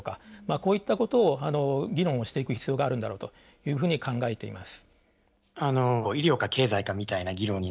こういったことを議論していく必要があるんだろうというふうに考えています。